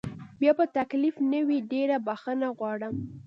بیا به تکلیف نه وي، ډېره بخښنه غواړم.